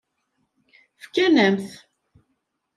Fkan-am-t.